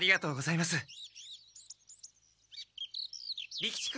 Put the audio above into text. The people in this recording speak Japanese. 利吉君！